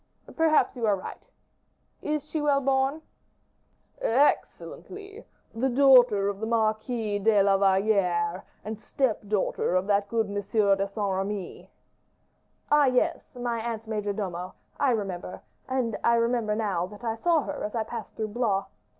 "Perhaps you are right. Is she well born?" "Excellently; the daughter of the Marquis de la Valliere, and step daughter of that good M. de Saint Remy." "Ah, yes! my aunt's major domo; I remember; and I remember now that I saw her as I passed through Blois.